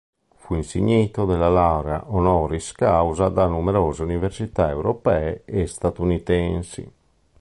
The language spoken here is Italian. Fu insignito della laurea honoris causa da numerose università europee e statunitensi.